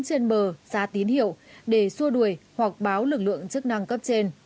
những người dân trên bờ xá tín hiệu để xua đuổi hoặc báo lực lượng chức năng cấp trên